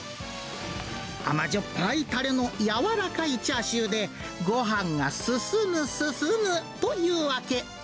甘じょっぱいたれの柔らかいチャーシューで、ごはんが進む進むというわけ。